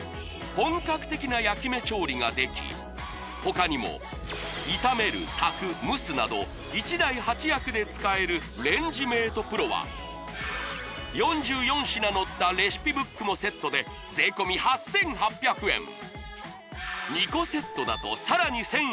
本格的な焼き目調理ができ他にも炒める炊く蒸すなど１台８役で使えるレンジメートプロは４４品載ったレシピブックもセットで２個セットだとさらに１０００円